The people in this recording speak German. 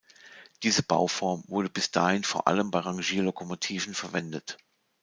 Diese Bauform wurde bis dahin vor allem bei Rangierlokomotiven verwendet.